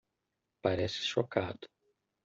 Parece chocado